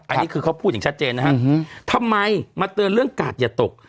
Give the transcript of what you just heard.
อันนี้คือเขาพูดอย่างชัดเจนนะฮะทำไมมาเตือนเรื่องกาดอย่าตก